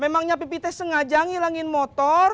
memangnya pipih teh sengaja ngilangin motor